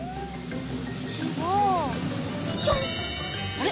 あれ？